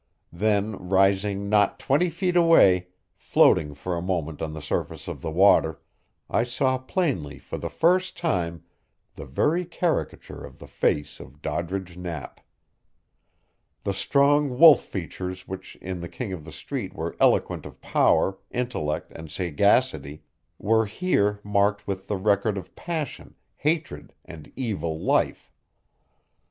Then, rising not twenty feet away, floating for a moment on the surface of the water, I saw plainly for the first time, the very caricature of the face of Doddridge Knapp. The strong wolf features which in the King of the Street were eloquent of power, intellect and sagacity, were here marked with the record of passion, hatred and evil life.